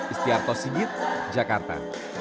istiarto sigit jakarta